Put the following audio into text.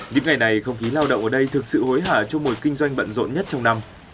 những ngày này không khí lao động ở đây thực sự hối hả cho mùi kinh doanh bận rộn nhất trong năm